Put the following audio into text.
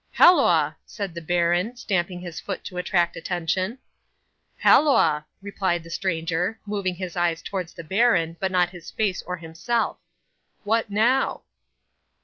'"Halloa!" said the baron, stamping his foot to attract attention. '"Halloa!" replied the stranger, moving his eyes towards the baron, but not his face or himself "What now?"